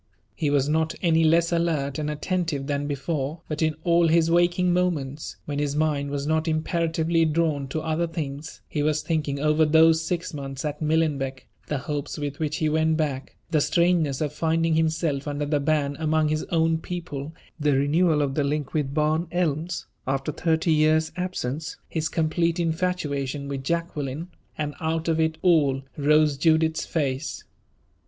He was not any less alert and attentive than before, but in all his waking moments, when his mind was not imperatively drawn to other things, he was thinking over those six months at Millenbeck the hopes with which he went back; the strangeness of finding himself under the ban among his own people; the renewal of the link with Barn Elms, after thirty years' absence; his complete infatuation with Jacqueline and, out of it all, rose Judith's face.